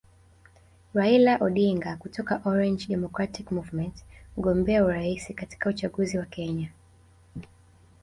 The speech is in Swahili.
Raila Odinga kutoka Orange Democratic Movement mgombea urais katika uchaguzi wa Kenya